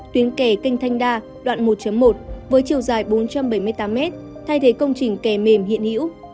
tuyến kè kênh thanh đa đoạn một một với chiều dài bốn trăm bảy mươi tám mét thay thế công trình kè mềm hiện hữu